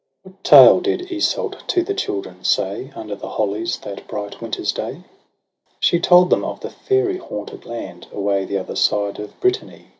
What tale did Iseult to the children say, Under the hollies, that bright winter's day? She told them of the fairy haunted land Away the other side of Brittany, VOL.